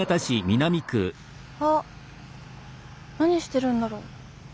あ何してるんだろう？